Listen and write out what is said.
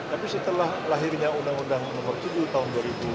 tapi setelah lahirnya undang undang nomor tujuh tahun dua ribu dua